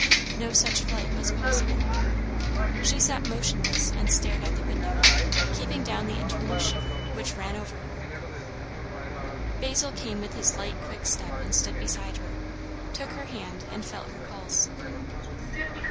No such flight was possible. She sat motionless and stared at the window, keeping down the internal shiver which ran over her. Basil came with his light quick step and stood beside her; took her hand and felt her pulse.